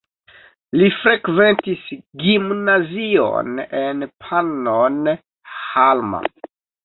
Li frekventis gimnazion en Pannonhalma.